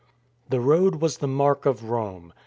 The road was the mark of Rome.